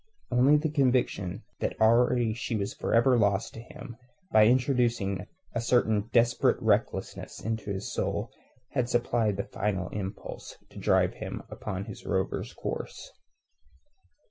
Only the conviction that already she was for ever lost to him, by introducing a certain desperate recklessness into his soul had supplied the final impulse to drive him upon his rover's course.